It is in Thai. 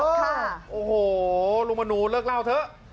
อ้อค่าโอ้โหลูกมนูเลิกเล่าเถอะ